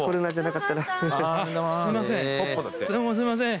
すいません